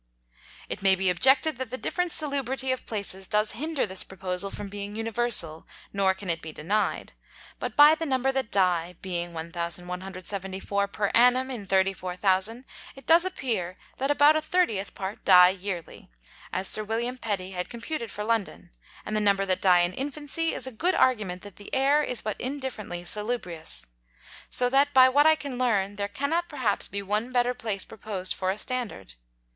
It may be objected, that the different Salubrity of Places does hinder this Proposal from being universal; nor can it be denied. But by the Number that die, being 1174. per Annum in 34000, it does appear that about a 30th part die yearly, as Sir William Petty has computed for London; and the Number that die in Infancy, is a good Argument that the Air is but indifferently salubrious. So that by what I can learn, there cannot perhaps be one better Place proposed for a Standard.